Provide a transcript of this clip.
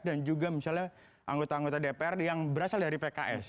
dan juga misalnya anggota anggota dpr yang berasal dari pks